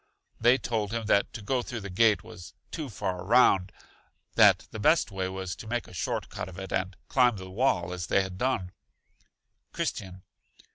They told him that to go through the gate was too far round; that the best way was to make a short cut of it, and climb the wall, as they had done. Christian.